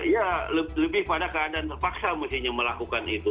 ya lebih pada keadaan terpaksa mestinya melakukan itu